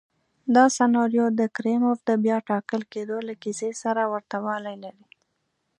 دا سناریو د کریموف د بیا ټاکل کېدو له کیسې سره ورته والی لري.